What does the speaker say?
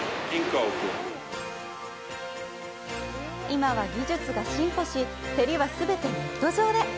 今は技術が進歩し競りは全てネット上で。